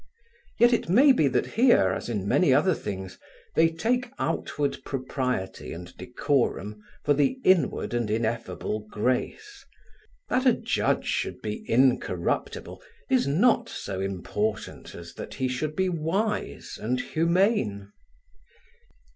Yet it may be that here, as in other things, they take outward propriety and decorum for the inward and ineffable grace. That a judge should be incorruptible is not so important as that he should be wise and humane.